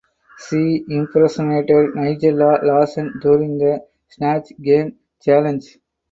She impersonated Nigella Lawson during the Snatch Game challenge.